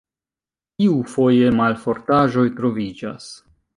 Iufoje malfortaĵoj troviĝas.